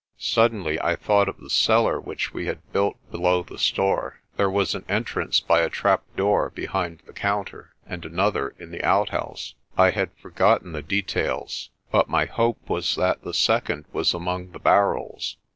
Suddenly I thought of the cellar which we had built be 116 PRESTER JOHN low the store. There was an entrance by a trapdoor behind the counter, and another in the outhouse. I had forgotten the details, but my hope was that the second was among the barrels.